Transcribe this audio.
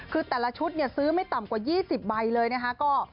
คือแต่ละชุดเนี่ยซื้อไม่ต่ำกว่า๒๐ใบเลยนะคะ